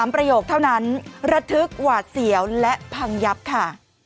ประโยคเท่านั้นระทึกหวาดเสียวและพังยับค่ะ